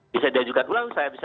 bisa diajukan ulang saya bisa